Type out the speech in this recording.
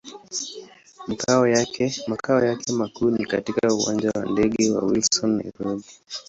Makao yake makuu ni katika Uwanja wa ndege wa Wilson, Nairobi.